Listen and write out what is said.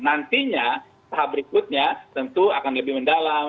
nantinya tahap berikutnya tentu akan lebih mendalam